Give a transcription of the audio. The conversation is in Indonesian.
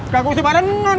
gak usip barengan